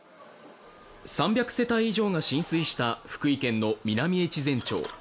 ３００世帯以上が浸水した福井県の南越前町。